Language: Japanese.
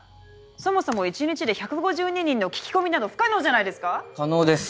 そもそも一日で１５２人の聞き込みなど不可能じゃないですか⁉可能です。